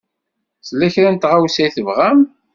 Tella kra n tɣawsa i tebɣam?